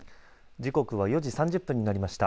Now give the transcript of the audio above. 時刻は４時３０分になりました。